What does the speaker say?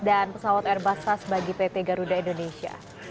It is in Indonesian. dan pesawat airbus sas bagi pt garuda indonesia